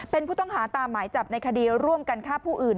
เป็นผู้ต้องหาตามหมายจับในคดีร่วมกันฆ่าผู้อื่น